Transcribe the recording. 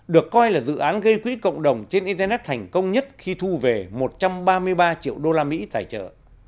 được coi là dự án gây quỹ cộng đồng trên internet thành công nhất khi thu về một trăm ba mươi ba triệu usd tài trợ